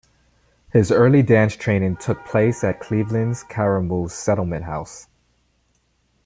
His early dance training took place at Cleveland's Karamu Settlement House.